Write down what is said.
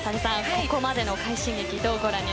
ここまでの快進撃